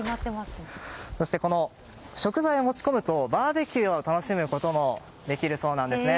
そして、食材を持ち込むとバーベキューを楽しむこともできるそうなんですね。